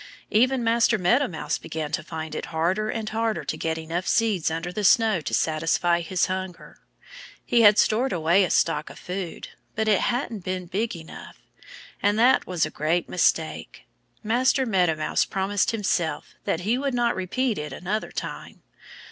Even Master Meadow Mouse began to find it harder and harder to get enough seeds under the snow to satisfy his hunger. He had stored away a stock of food. But it hadn't been big enough. And that was a great mistake. Master Meadow Mouse promised himself that he would not repeat it another time.